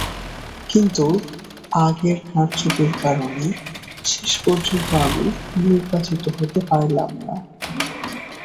কিন্তু আগের কারচুপির কারণে শেষ পর্যন্ত আমি নির্বাচিত হতে পারলাম না।